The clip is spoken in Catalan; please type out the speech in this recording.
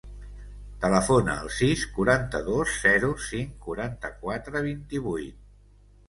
Telefona al sis, quaranta-dos, zero, cinc, quaranta-quatre, vint-i-vuit.